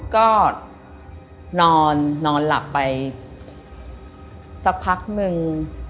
ก็นอนนอนหลับไปสักพักนึง